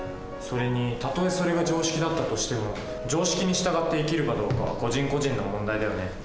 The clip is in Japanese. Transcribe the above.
それにたとえそれが常識だったとしても常識に従って生きるかどうかは個人個人の問題だよね。